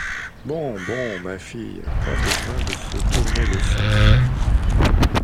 Bon ! bon ! ma fille, pas besoin de se tourner le sang. ..